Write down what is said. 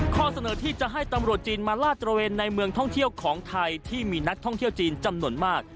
ข้อเสนอที่จะให้ตำรวจจีนมาลาดตระเวนในเมืองท่องเที่ยวของไทยที่มีนักท่องเที่ยวจีนจำนวนมาก